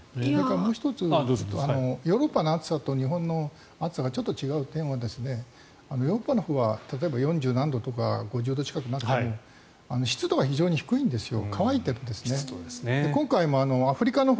もう１つヨーロッパの暑さと日本の暑さがちょっと違う点はヨーロッパのほうは例えば４０何度とか５０度近くなっても湿度が非常に低いんですよ。